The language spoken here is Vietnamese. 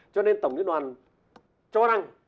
cho nên tổng liên hoàn cho rằng